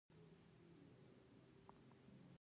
ښه هلک، ښه هلکان، ښه نجلۍ ښې نجونې.